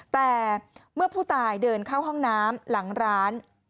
แต่เมื่อผู้ตายเดินเข้าห้องน้ำหลังร้าน